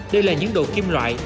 đây là những đồ kim loại